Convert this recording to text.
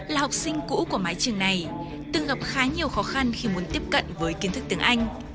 là học sinh cũ của mái trường này từng gặp khá nhiều khó khăn khi muốn tiếp cận với kiến thức tiếng anh